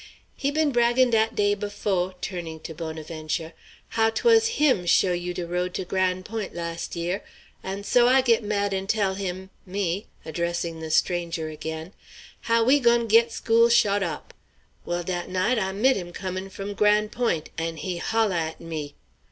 "He been braggin' dat day befo'" turning to Bonaventure "how 'twas him show you de road to Gran' Point' las' year; and so I git mad and tell him, me," addressing the stranger again, "how we goin' git school shot op. Well, dat night I mit him comin' fum Gran' Point' and he hol' at me.